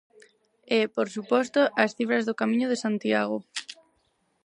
E, por suposto, as cifras do Camiño de Santiago.